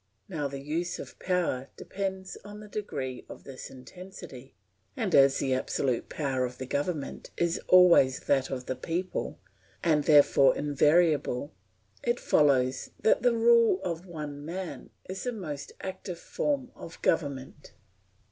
Now the use of power depends on the degree of this intensity, and as the absolute power of the government is always that of the people, and therefore invariable, it follows that the rule of one man is the most active form of government.